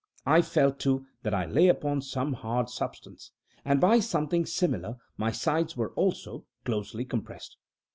I felt, too, that I lay upon some hard substance, and by something similar my sides were, also, closely compressed.